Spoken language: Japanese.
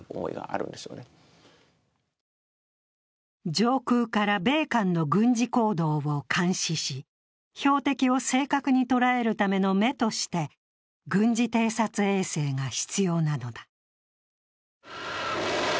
上空から米韓の軍事行動を監視し、標的を正確に捉えるための目として、軍事偵察衛星が必要なのだ。